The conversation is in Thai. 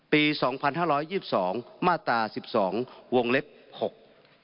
ปี๒๕๒๒มาตรา๑๒วงเล็ก๖